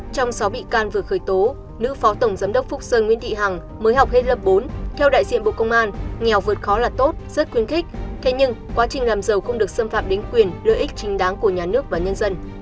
trong sáu bị can vừa khởi tố nữ phó tổng giám đốc phúc sơn nguyễn thị hằng mới học hết lớp bốn theo đại diện bộ công an nghèo vượt khó là tốt rất khuyến khích thế nhưng quá trình làm giàu không được xâm phạm đến quyền lợi ích chính đáng của nhà nước và nhân dân